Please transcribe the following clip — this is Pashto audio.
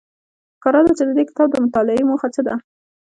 ښکاره ده چې د دې کتاب د مطالعې موخه څه ده